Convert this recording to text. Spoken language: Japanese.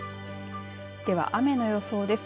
では、雨の予想です。